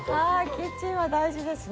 キッチンは大事ですね。